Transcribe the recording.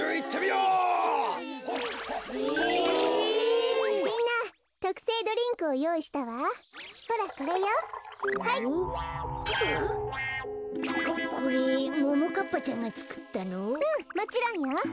うんもちろんよ。